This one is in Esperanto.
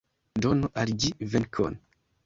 Donu al ĝi venkon!